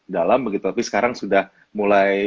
dalam begitu tapi sekarang sudah mulai